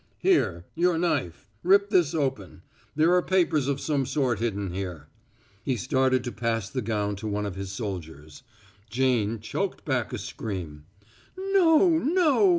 "Here your knife! Rip this open; there are papers of some sort hidden here." He started to pass the gown to one of his soldiers. Jane choked back a scream. "No, no!